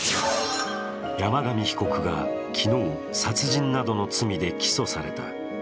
山上被告が昨日、殺人などの罪で起訴された。